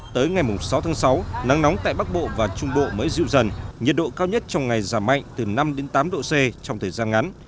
tới ngày sáu tháng sáu nắng nóng tại bắc bộ và trung bộ mới dịu dần nhiệt độ cao nhất trong ngày giảm mạnh từ năm tám độ c trong thời gian ngắn